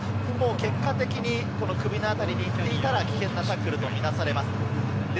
結果的に首のあたりに行ったら危険なタックルとみなされます。